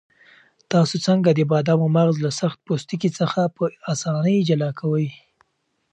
تاسو څنګه د بادامو مغز له سخت پوستکي څخه په اسانۍ جلا کوئ؟